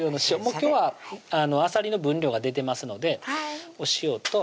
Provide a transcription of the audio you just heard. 今日はあさりの分量が出てますのでお塩と